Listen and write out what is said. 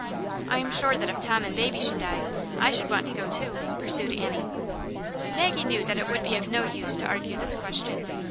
"I am sure that if, Tom and baby should die, I should want to go too," pursued Annie. Maggie knew that it would be of no use to argue this question.